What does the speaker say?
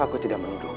aku tidak menunduk raka